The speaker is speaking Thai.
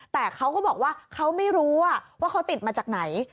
แต่เขาก็บอกว่าเขาไม่รู้ว่าเขาติดมาจากไหน